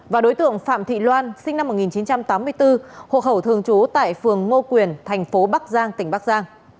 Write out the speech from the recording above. và đối tượng phạm thị loan sinh năm một nghìn chín trăm tám mươi bốn hộ khẩu thường trú tại phường ngô quyền thành phố bắc giang tỉnh bắc giang